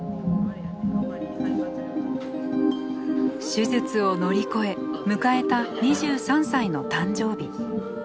手術を乗り越え迎えた２３歳の誕生日。